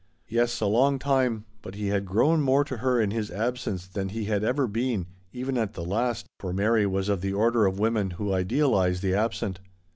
Yes, a long time ; but he had grown more to her in his absence than he had ever been, even at the last, for Mary was of the order of women who idealise the absent.